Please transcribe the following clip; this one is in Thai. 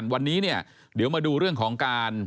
วันนี้เนี่ยเดี๋ยวมาดูเรื่องของการ